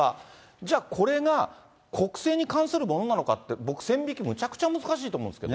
じゃあ、これが国政に関するものなのかって、僕、線引き、むちゃくちゃ難しいと思うんですけど。